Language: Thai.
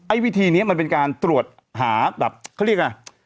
วิธีนี้มันเป็นการตรวจหาแบบเขาเรียกอะไร